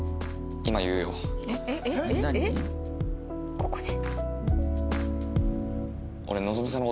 ここで？